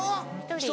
１人。